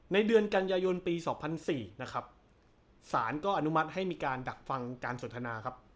เดือนกันยายนปี๒๐๐๔นะครับสารก็อนุมัติให้มีการดักฟังการสนทนาครับ